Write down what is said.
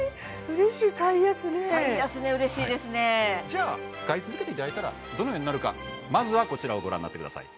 嬉しい最安値じゃあ使い続けていただいたらどのようになるかまずはこちらをご覧になってください